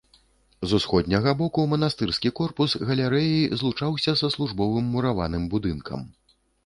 З усходняга боку манастырскі корпус галерэяй злучаўся са службовым мураваным будынкам.